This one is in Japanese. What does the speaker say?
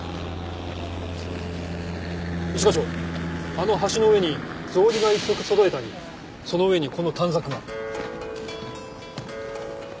一課長あの橋の上に草履が一足そろえてありその上にこの短冊が。